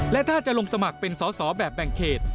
และถ้าจะลงสมัครเป็นสอสอแบบแบ่งเขต